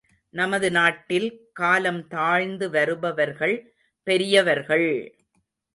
நமது நாட்டில் காலம் தாழ்ந்து வருபவர்கள் பெரியவர்கள்!